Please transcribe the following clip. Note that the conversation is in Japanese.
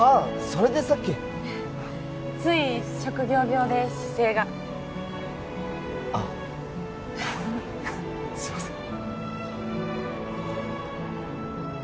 それでさっきつい職業病で姿勢があっすいません